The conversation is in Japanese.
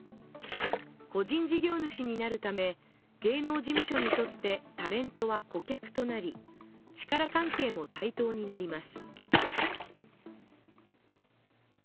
個人事業主になるため、芸能事務所にとってタレントは顧客となり力関係も対等になります。